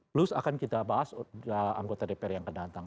terus akan kita bahas anggota dpr yang kedatang